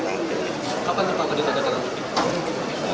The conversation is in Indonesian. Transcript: kapan bapak presiden tanda tangan